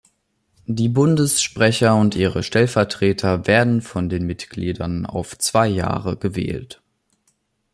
Die Bundessprecher und ihre Stellvertreter werden von den Mitgliedern auf zwei Jahre gewählt.